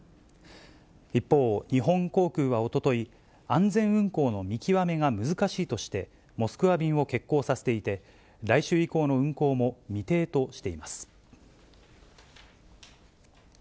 一方、日本航空はおととい、安全運航の見極めが難しいとしてモスクワ便を欠航させていて、来週以降の運航も未定としています。